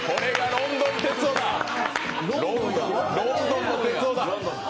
ロンドンの哲夫だ。